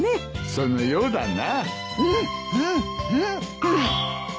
そのようだな。